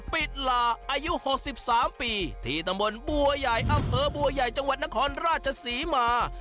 ปิดหลาอายุ๖๓ปีที่ตำบลบัวใหญ่อำเภอบัวใหญ่จังหวัดนครราชศรีมา